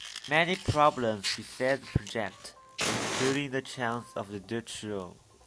Many problems beset the project, including the chance of a Dutch roll.